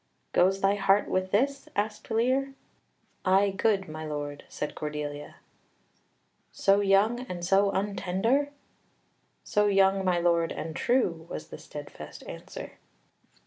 "Goes thy heart with this?" asked Lear. "Ay, good my lord," said Cordelia. "So young and so untender?" "So young, my lord, and true," was the steadfast answer.